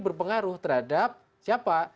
berpengaruh terhadap siapa